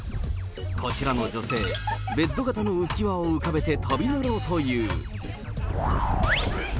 こちらの女性、ベッド型の浮き輪を浮かべて飛び乗ろうという。